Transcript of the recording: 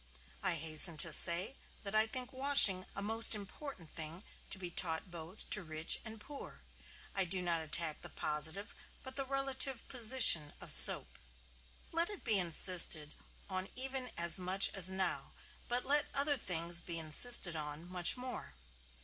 I hasten to say that I think washing a most important thing to be taught both to rich and poor. I do not attack the positive but the relative position of soap. Let it be insisted on even as much as now; but let other things be insisted on much more.